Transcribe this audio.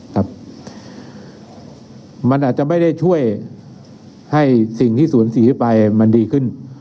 ครับมันอาจจะไม่ได้ช่วยให้สิ่งที่สูญเสียไปมันดีขึ้น